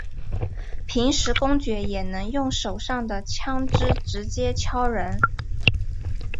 平时公爵也能用手上的枪枝直接敲人。